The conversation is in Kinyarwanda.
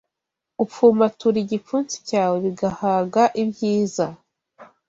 upfumbatura igipfunsi cyawe bigahaga ibyiza,